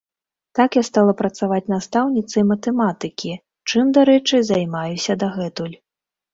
Так я стала працаваць настаўніцай матэматыкі, чым, дарэчы, займаюся дагэтуль!